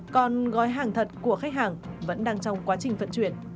còn gói hàng thật của khách hàng vẫn đang trong quá trình vận chuyển